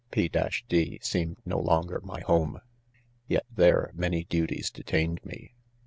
* p d seemed no longer my home ; yet there many duties detained" me.